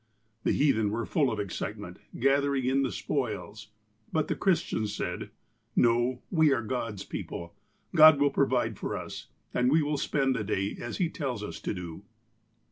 "The heathen were full of excitement, gathering in the spoils, but the Christians said :"' No, we are God's people. God will provide for us, and we will spend the day as He tells us to do.'